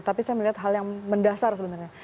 tapi saya melihat hal yang mendasar sebenarnya